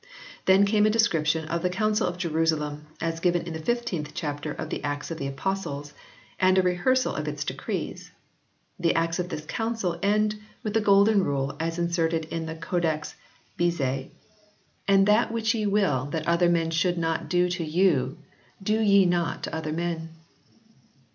Then came a description of the Council of Jerusalem as given in the fifteenth chapter of the Acts of the Apostles and a rehearsal of its decrees. The acts of this Council end with the Golden Rule as inserted in Codex Bezae "And that which ye will 14 HISTORY OF THE ENGLISH BIBLE [CH. i that other men should not do to you, do ye not to other men."